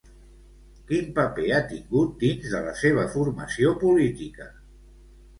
Quin paper ha tingut dins de la seva formació política?